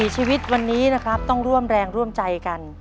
ชีวิตวันนี้นะครับต้องร่วมแรงร่วมใจกัน